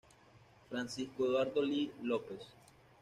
Francisco Eduardo Lee López.